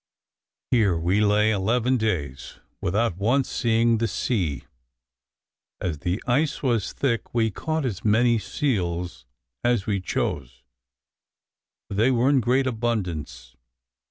Here we lay eleven days without once seeing the sea. As the ice was thick, we caught as many seals as we chose, for they were in great abundance.